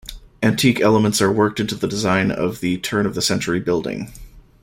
Antique elements are worked into the design of the turn-of-the-century building.